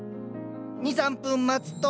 ２３分待つと。